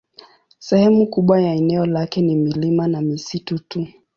Sehemu kubwa ya eneo lake ni milima na misitu tu.